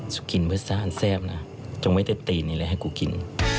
สุดกินเบื้อซะอันแซ่บนะจงไว้เต็ดตีนเลยให้กูกิน